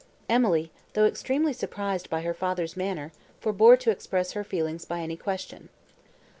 Emily, though extremely surprised by her father's manner, forbore to express her feelings by any question.